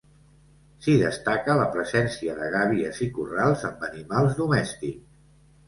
S'hi destaca la presència de gàbies i corrals amb animals domèstics.